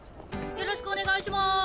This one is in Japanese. よろしくお願いします！